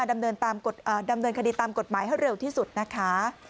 ดำเนินคดีตามกฎหมายให้เร็วที่สุดนะคะ